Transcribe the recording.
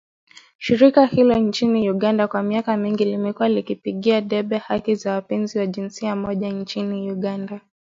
Shirika hilo nchini Uganda kwa miaka mingi limekuwa likipigia debe haki za wapenzi wa jinsia moja nchini Uganda